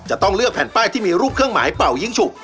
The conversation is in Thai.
จะต้องเลือกแผ่นป้ายที่มีรูปเครื่องหมายเป่ายิ้งฉุก